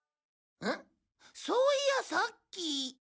そういやさっき。